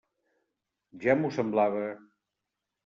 Ja m'ho semblava.